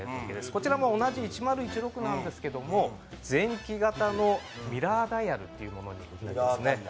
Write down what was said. こちらも同じ１０１６なんですけど、前期型ミラーダイヤルというものになっているんですね。